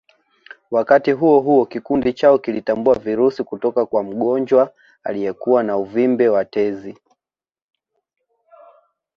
Wakati huohuo kikundi chao kilitambua virusi kutoka kwa mgonjwa aliyekuwa na uvimbe wa tezi